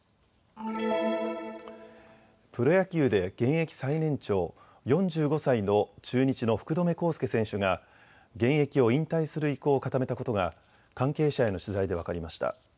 プロ野球で現役最年長、４５歳の中日の福留孝介選手が現役を引退する意向を固めたことが関係者への取材で分かりました。